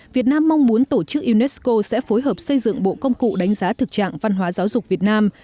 việt nam mong muốn tổ chức unesco sẽ phối hợp xây dựng bộ công cụ đánh giá thực trạng văn hóa giáo dục việt nam